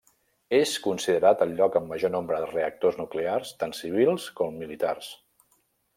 És considerat el lloc amb major nombre de reactors nuclears tant civils com militars.